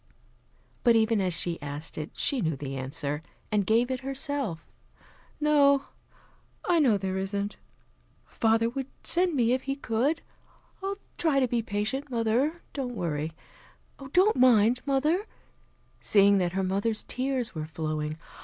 But even as she asked it, she knew the answer, and gave it herself. "No, I know there isn't. Father would send me if he could. I'll try to be patient, mother. Don't worry. Don't mind, mother " seeing that her mother's tears were flowing.